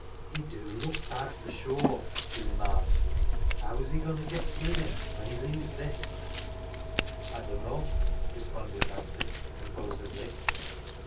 " He do look bad, for sure !" she remarked. " How's he goin' to get's livin' when he leaves this ?"" I dunno," responded Nancy, composedly.